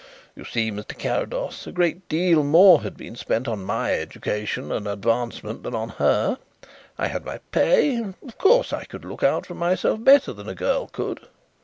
You see, Mr. Carrados, a great deal more had been spent on my education and advancement than on her; I had my pay, and, of course, I could look out for myself better than a girl could."